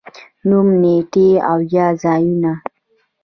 نوم، نېټې او یا ځايونه